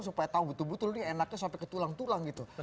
supaya tahu betul betul ini enaknya sampai ke tulang tulang gitu